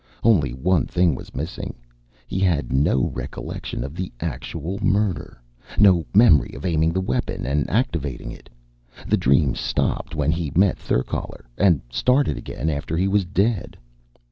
Only one thing was missing. He had no recollection of the actual murder, no memory of aiming the weapon and activating it. The dream stopped when he met Therkaler, and started again after he was dead.